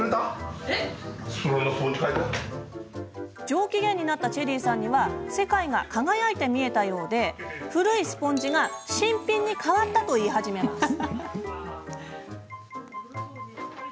上機嫌になったチェリーさんには世界が輝いて見えたようで古いスポンジが新品に変わったと言い始めます。